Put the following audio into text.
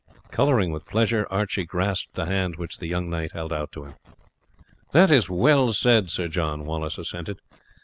Colouring with pleasure, Archie grasped the hand which the young knight held out to him. "That is well said, Sir John," Wallace assented.